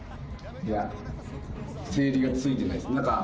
いや、整理がついてないです。